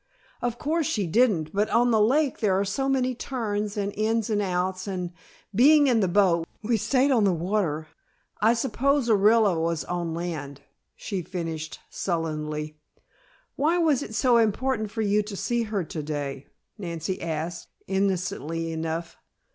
Of course she didn't, but on the lake there are so many turns, and ins and outs and, being in the boat, we stayed on the water. I suppose Orilla was on land," she finished sullenly. "Why was it so important for you to see her to day?" Nancy asked, innocently enough.